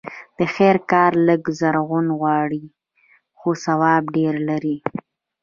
د خير کار لږ زور غواړي؛ خو ثواب ډېر لري.